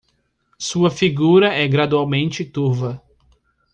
Sua figura é gradualmente turva